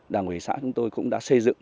đảng bộ xã chúng tôi cũng đã xây dựng